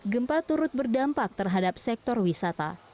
gempa turut berdampak terhadap sektor wisata